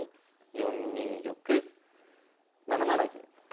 ４二玉７七銀。